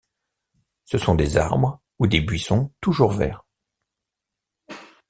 Ce sont des arbres ou des buissons toujours verts.